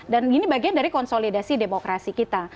dan ini bagian dari konsolidasi demokrasi kita